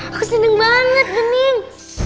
aku seneng banget bening